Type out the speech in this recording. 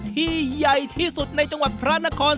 ใหญ่ที่สุดในจังหวัดพระนคร